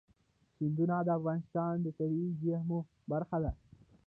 سیندونه د افغانستان د طبیعي زیرمو برخه ده.